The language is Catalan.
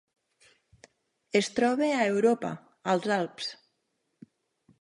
Es troba a Europa, als Alps.